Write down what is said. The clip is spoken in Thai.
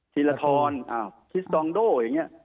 ธิรธรฮิสตองโดอย่างเงี้ย